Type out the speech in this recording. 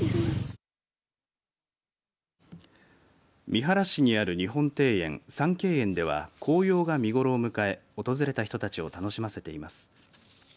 三原市にある日本庭園三景園では紅葉が見頃を迎え訪れた人たちを楽しませています。